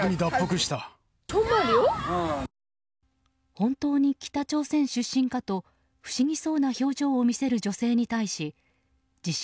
本当に北朝鮮出身かと不思議そうな表情を見せる女性に対し自称